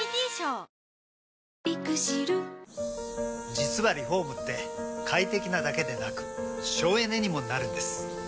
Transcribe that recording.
実はリフォームって快適なだけでなく省エネにもなるんです。